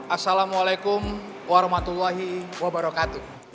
assalamualaikum warahmatullahi wabarakatuh